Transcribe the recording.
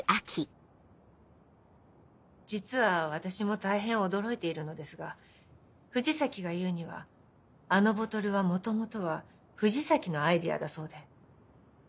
実は私も大変驚いているのですが藤崎が言うにはあのボトルは元々は藤崎のアイデアだそうで。